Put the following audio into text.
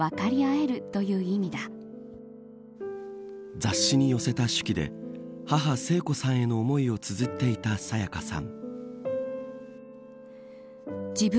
雑誌に寄せた手記で母、聖子さんへの思いをつづっていた沙也加さん。